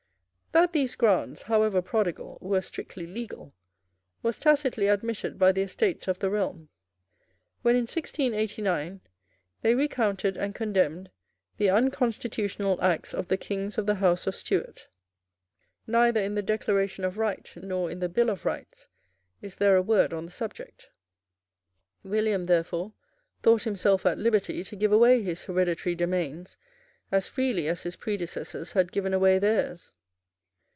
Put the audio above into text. That these grants, however prodigal, were strictly legal, was tacitly admitted by the Estates of the Realm, when, in 1689, they recounted and condemned the unconstitutional acts of the kings of the House of Stuart. Neither in the Declaration of Right nor in the Bill of Rights is there a word on the subject. William, therefore, thought himself at liberty to give away his hereditary domains as freely as his predecessors had given away theirs.